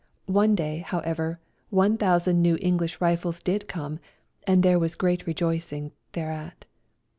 One day, however, one thousand new Enghsh rifles did come, and there was great rejoicing thereat.